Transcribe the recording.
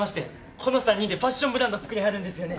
この３人でファッションブランド作りはるんですよね？